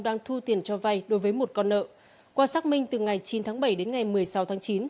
đang thu tiền cho vay đối với một con nợ qua xác minh từ ngày chín tháng bảy đến ngày một mươi sáu tháng chín